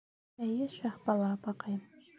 — Эйе, Шаһбала апаҡайым...